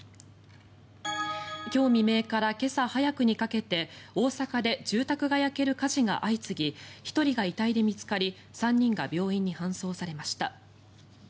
今日未明から今朝早くにかけて大阪で住宅が焼ける火事が相次ぎ１人が遺体で見つかり３人が病院に搬送されました。